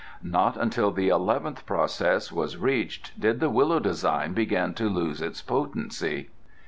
Not until the eleventh process was reached did the Willow design begin to lose its potency.